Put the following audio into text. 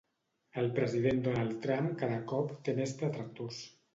El president Donald Trump cada cop té més detractors.